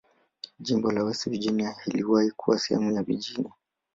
Jimbo la West Virginia iliwahi kuwa sehemu ya Virginia.